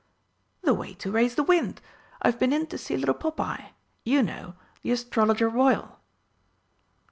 "The way to raise the wind. I've been in to see little Pop Eye you know, the Astrologer Royal."